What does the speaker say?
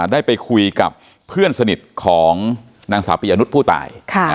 ได้ไปคุยกับเพื่อนสนิทของนางสาวปียนุษย์ผู้ตาย